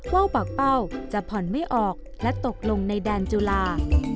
ว่าวปากเป้าจะผ่อนไม่ออกและตกลงในแดนจุฬา